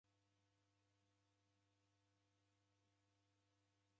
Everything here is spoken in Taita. W'ana w'aw'iapata w'asi.